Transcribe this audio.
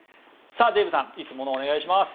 デーブさん、いつものお願いします。